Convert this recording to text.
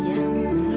ya juga ya